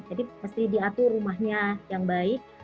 jadi pasti diatur rumahnya yang baik